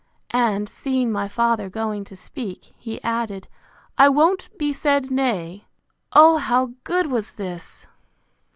And, seeing my father going to speak, he added, I won't be said nay. O how good was this!